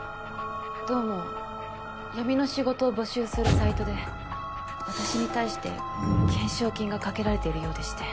どうも闇の仕事を募集するサイトで私に対して懸賞金がかけられているようでして。